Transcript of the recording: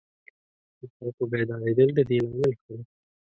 د خلکو بیدارېدل د دې لامل شول.